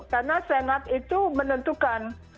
karena senat itu menentukan